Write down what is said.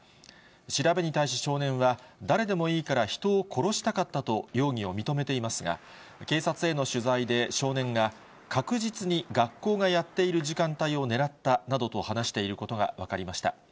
調べに対し少年は、誰でもいいから人を殺したかったと容疑を認めていますが、警察への取材で少年が確実に学校がやっている時間帯を狙ったなどと話していることが分かりました。